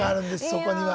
そこには。